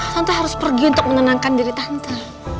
tante harus pergi untuk menenangkan diri tante